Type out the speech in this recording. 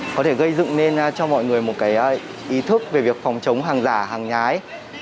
có thể gây dựng nên cho mọi người một ý thức về việc phòng chống hàng giả hàng nhái